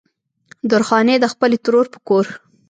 درخانۍ د خپلې ترور په کور